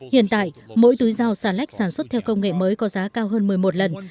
hiện tại mỗi túi rau xà lách sản xuất theo công nghệ mới có giá cao hơn một mươi một lần